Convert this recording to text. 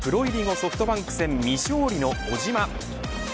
ソフトバンク戦未勝利の小島。